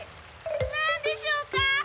なんでしょうか？